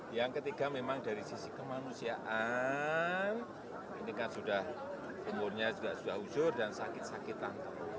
yang ketiga memang dari sisi kemanusiaan ini kan sudah umurnya sudah usur dan sakit sakitan